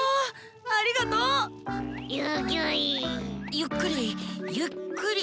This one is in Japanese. ゆっくりゆっくり。